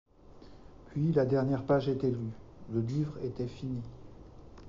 Puis la dernière page était lue, le livre était fini.